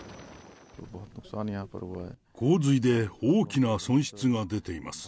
洪水で大きな損失が出ています。